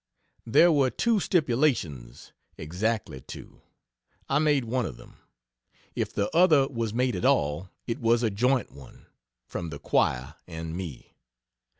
There were two "stipulations" exactly two. I made one of them; if the other was made at all, it was a joint one, from the choir and me.